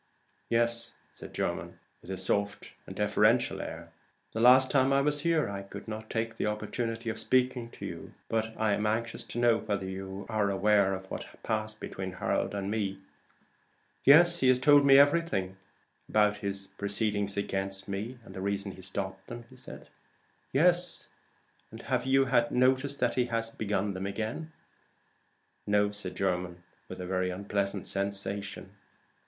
"Yes," said Jermyn, with his soft and deferential air. "The last time I was here I could not take the opportunity of speaking to you. But I am anxious to know whether you are aware of what has passed between me and Harold?" "Yes, he has told me everything." "About his proceedings against me? and the reason he stopped them?" "Yes: have you had notice that he has begun them again?" "No," said Jermyn, with a very unpleasant sensation.